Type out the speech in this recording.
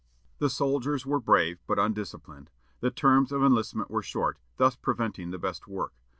The soldiers were brave but undisciplined; the terms of enlistment were short, thus preventing the best work.